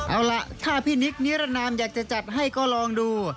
เอาล่ะถ้าพี่นิคนิรนามอยากจะจัดให้ก็ลองดู